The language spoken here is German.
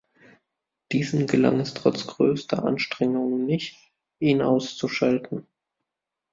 Diesen gelang es trotz größter Anstrengungen nicht, ihn auszuschalten.